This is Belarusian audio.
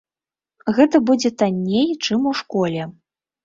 Гэта будзе танней, чым у школе.